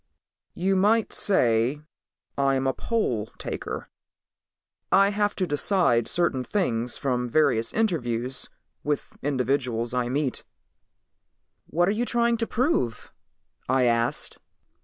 "You might say I'm a poll taker. I have to decide certain things from various interviews with individuals I meet." "What are you trying to prove?" I asked.